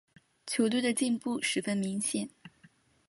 球队的进步十分明显。